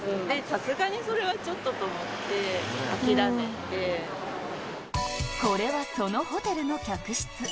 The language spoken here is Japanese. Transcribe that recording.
さすがにそれはちょっとと思ってこれはそのホテルの客室。